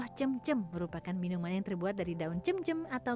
setelah itu dikemas di dalam botol